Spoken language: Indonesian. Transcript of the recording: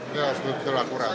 itu harus betul betul akurat